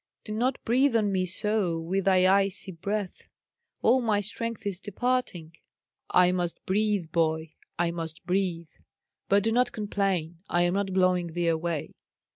"Do not breathe on me so with thy icy breath. All my strength is departing." "I must breathe, boy; I must breathe. But do not complain. I am not blowing thee away."